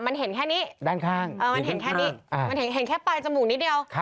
มันเห็นแค่นี้มันเห็นแค่ปลายจมูกนิดเดียว